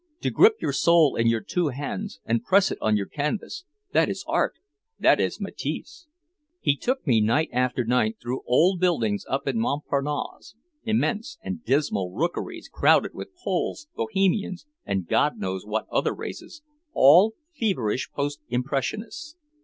To grip your soul in your two hands and press it on your canvas that is art, that is Matisse!" He took me night after night through old buildings up in Montparnasse, immense and dismal rookeries crowded with Poles, Bohemians and God knows what other races, all feverish post impressionists.